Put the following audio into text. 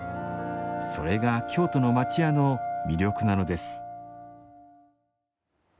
それが京都の町家の魅力なのです。